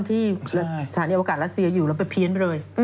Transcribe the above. ที่สถานีอวกาศซาธิตรอเหล้าเซียที่เราไปเพียร์นเลย